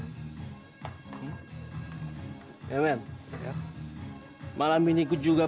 pacaran saja kamu menyatu udara